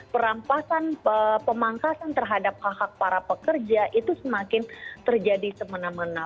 perampasan pemangkasan terhadap hak hak para pekerja itu semakin terjadi semena mena